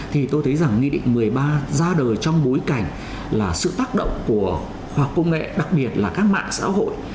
thì tôi thấy rằng nghị định một mươi ba ra đời trong bối cảnh là sự tác động của khoa học công nghệ đặc biệt là các mạng xã hội